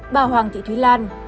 bà hoàng thị thúy lan